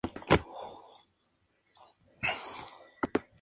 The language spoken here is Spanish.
Se desconoce hasta el momento actual el número exacto de víctimas.